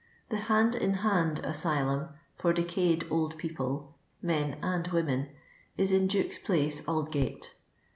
The Hand in Hand Asylum, for decayed old people, men and women, is in Duke's pUce, Aid gate.